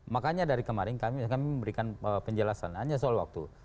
makanya dari kemarin kami memberikan penjelasan hanya soal waktu